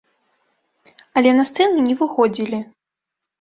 Але на сцэну не выходзілі.